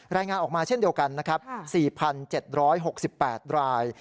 รายงานออกมาเช่นเดียวกันนะครับ๔๗๖๘ราย